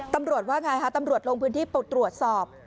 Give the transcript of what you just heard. ตำรวจว่าอย่างไรค่ะตำรวจลงพื้นที่ปรับตรวจสอบ